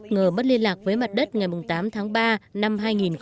ngờ mất liên lạc với mặt đất ngày tám tháng ba năm hai nghìn một mươi chín